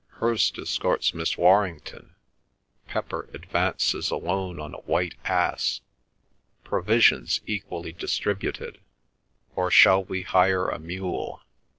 "Hirst escorts Miss Warrington; Pepper advances alone on a white ass; provisions equally distributed—or shall we hire a mule?